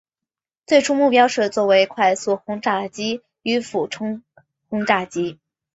最初目标是作为快速轰炸机与俯冲轰炸机。